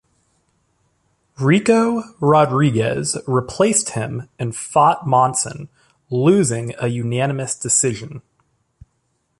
Ricco Rodriguez replaced him and fought Monson, losing a unanimous decision.